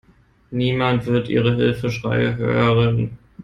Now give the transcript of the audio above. Niemand wird Ihre Hilfeschreie hören.